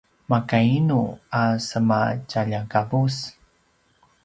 makainu a sema tjaljakavus?